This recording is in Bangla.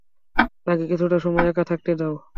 তাকে কিছুটা সময় একা থাকতে দাও।